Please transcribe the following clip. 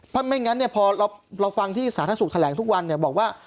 เพราะไม่งั้นพอเราฟังที่สาธารณสุขแถลงทุกวันบอกว่า